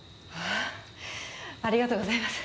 ありがとうございます